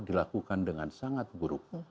dilakukan dengan sangat buruk